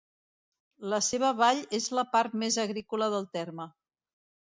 La seva vall és la part més agrícola del terme.